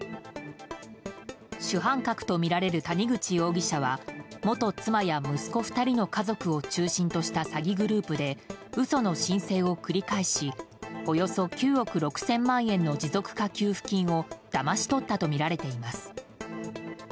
主犯格とみられる谷口容疑者は元妻や息子２人の家族を中心とした詐欺グループで嘘の申請を繰り返しおよそ９億６０００万円の持続化給付金をだまし取ったとみられています。